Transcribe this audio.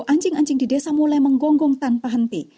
anjing anjing di desa mulai menggonggong tanpa henti